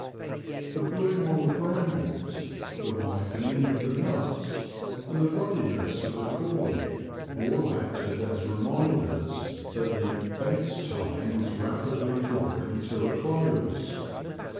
HS, bloom on the brambles ; the ripening of the nuts ; and the ruddiness of the corn all acted as reminders that the ^' fence" time was rapidly drawing to a close.